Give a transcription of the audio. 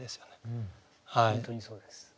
本当にそうです。